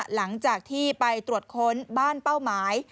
หลังจากที่ไปตรวจค้นบ้านเป้าหมาย